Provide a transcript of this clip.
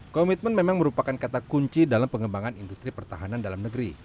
komitmen memang merupakan kata kunci dalam pengembangan industri pertahanan dalam negeri